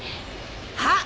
あっ！